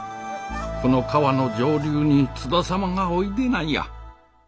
この川の上流に津田様がおいでなんや。